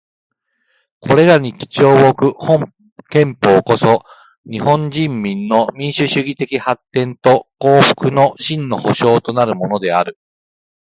これらに基調をおく本憲法こそ、日本人民の民主主義的発展と幸福の真の保障となるものである。